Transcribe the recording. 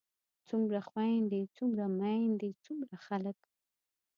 څومره خويندے څومره ميايندے څومره خلک